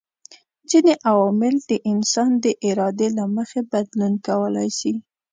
ځيني عوامل د انسان د ارادې له مخي بدلون کولای سي